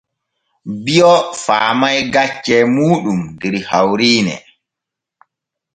Bio faamay gaccee muuɗum der hawriine.